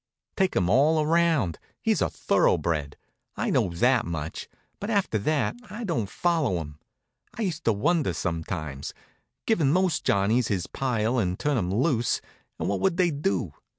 Take him all around, he's a thoroughbred. I know that much, but after that I don't follow him. I used to wonder sometimes. Give most Johnnies his pile and turn 'em loose, and what would they do?